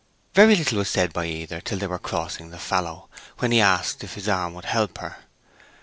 Very little was said by either till they were crossing the fallow, when he asked if his arm would help her.